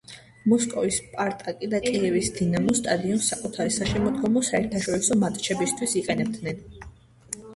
მოსკოვის „სპარტაკი“ და კიევის „დინამო“ სტადიონს საკუთარი საშემოდგომო საერთაშორისო მატჩებისთვის იყენებდნენ.